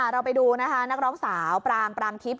เราไปดูนะคะนักร้องสาวปรางปรางทิพย